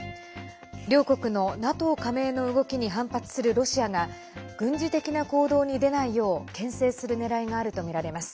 両国のＮＡＴＯ加盟の動きに反発するロシアが軍事的な行動に出ないようけん制するねらいがあるとみられます。